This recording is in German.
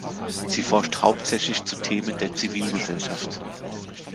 Sie forscht hauptsächlich zu Themen der Zivilgesellschaft.